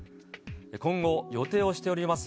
今後、予定をしております